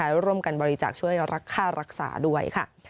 และร่วมกันบริจาคช่วยรักค่ารักษาด้วยค่ะ